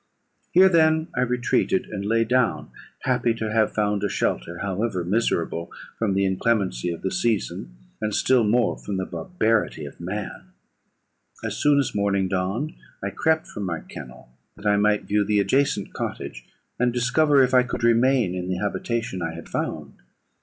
"Here then I retreated, and lay down happy to have found a shelter, however miserable, from the inclemency of the season, and still more from the barbarity of man. "As soon as morning dawned, I crept from my kennel, that I might view the adjacent cottage, and discover if I could remain in the habitation I had found.